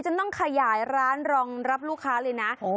ต้องขยายร้านรองรับลูกค้าเลยนะ